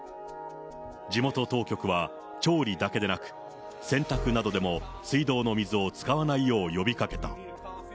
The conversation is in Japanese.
地元当局は、調理だけでなく、洗濯などでも水道の水を使わないよう呼びかけた。